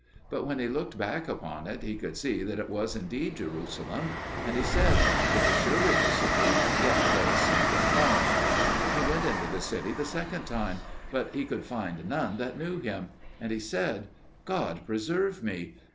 But when he looked back upon it, he could see that it was indeed Jerusalem; and he said, "It is surely the city, yet there is something wrong." He went into the city the second time, but he could find none that knew him. And he said, "God preserve me!